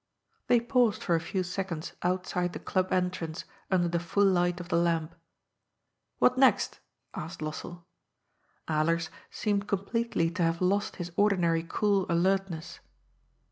They paused for a few seconds outside the Club entrance, under the full light of the lamp. *' What next?" asked Lossell. Alers seemed completely to have lost his ordinary cool alertness.